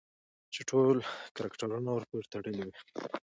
چې ټول کرکټرونه ورپورې تړلي وي